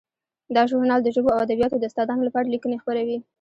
دا ژورنال د ژبو او ادبیاتو د استادانو لپاره لیکنې خپروي.